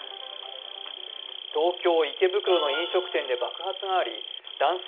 東京・池袋の飲食店で爆発があり男性